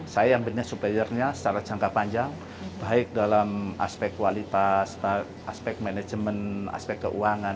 saya ambilnya suppliernya secara jangka panjang baik dalam aspek kualitas aspek manajemen aspek keuangan